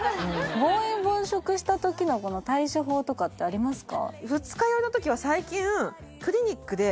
暴飲暴食した時の対処法とかってありますか？